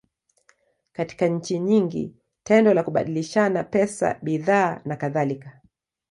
Katika nchi nyingi, tendo la kubadilishana pesa, bidhaa, nakadhalika.